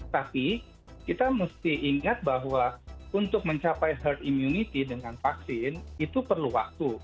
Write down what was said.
tapi kita mesti ingat bahwa untuk mencapai herd immunity dengan vaksin itu perlu waktu